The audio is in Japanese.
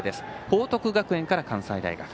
報徳学園から関西大学。